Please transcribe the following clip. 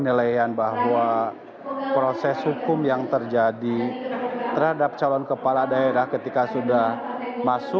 oleh karena itu